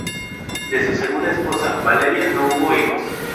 De su segunda esposa, Valeria, no hubo hijos.